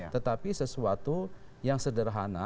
tetapi sesuatu yang sederhana